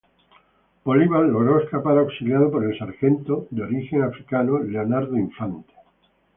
Bolívar logró escapar auxiliado por el Sargento, de origen africano, Leonardo Infante.